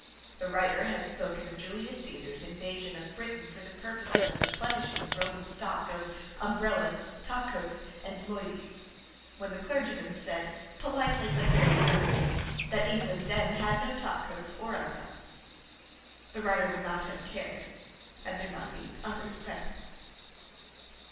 The writer had spoken of Julius Caesar's invasion of Britain for the purpose of replenishing the Roman stock of umbrellas, top coats, and "loydies," when the clergyman said, politely but very firmly, "that England then had no top coats or umbrellas." The writer would not have cared, had there not been others present.